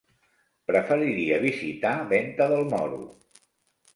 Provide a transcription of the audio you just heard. Preferiria visitar Venta del Moro.